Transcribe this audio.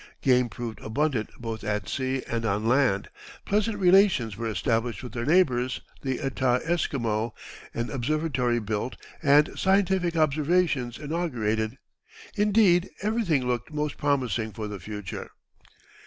Game proved abundant both at sea and on land, pleasant relations were established with their neighbors, the Etah Esquimaux, an observatory built, and scientific observations inaugurated. Indeed everything looked most promising for the future.